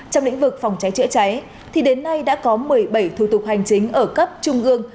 trong lĩnh vực phòng cháy chữa cháy thì đến nay đã có một mươi bảy thủ tục hành chính ở cấp trung ương